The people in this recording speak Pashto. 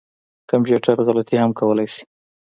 کمپیوټر غلطي هم کولای شي